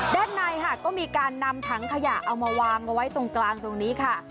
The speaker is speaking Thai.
ด้านในค่ะก็มีการนำถังขยะเอามาวางเอาไว้ตรงกลางตรงนี้ค่ะ